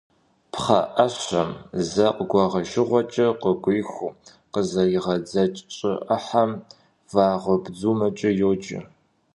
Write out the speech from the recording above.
Пхъэӏэщэм зэ къыгуэгъэжыгъуэкӏэ къыгуихыу къызэригъэдзэкӏ щӏы ӏыхьэм вагъэбдзумэкӏэ йоджэ.